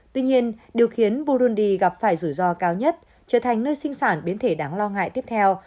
tuy nhiên điều khiến buundi gặp phải rủi ro cao nhất trở thành nơi sinh sản biến thể đáng lo ngại tiếp theo